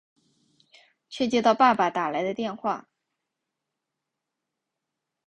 却接到爸爸打来的电话